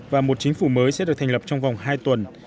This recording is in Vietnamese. và một chính phủ mới sẽ được thành lập trong vòng hai tuần